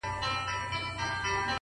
تیاره وریځ ده’ باد دی باران دی’